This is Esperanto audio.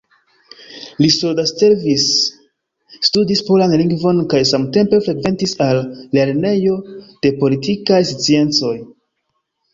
Li soldatservis, studis polan lingvon kaj samtempe frekventis al Lernejo de Politikaj Sciencoj.